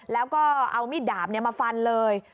แล้วก็เอามิดดาบมาฟันเลย